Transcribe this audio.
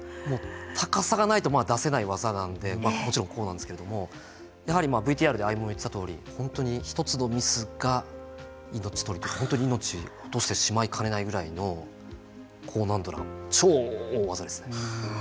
もう高さがないと出せない技なんでもちろんこうなんですけれどもやはりＶＴＲで歩夢が言っていたとおり本当に１つのミスが命取り本当に命を落としてしまいかねないぐらいの高難度な超大技ですね。